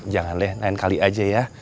jangan deh main kali aja ya